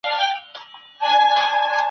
چېري د انټرپول پولیس فعالیت کوي؟